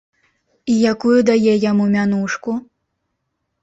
І якую дае яму мянушку?